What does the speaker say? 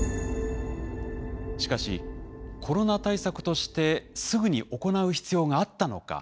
しかしコロナ対策としてすぐに行う必要があったのか。